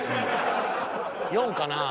４かなぁ。